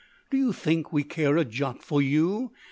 Do you think we care a jot for you?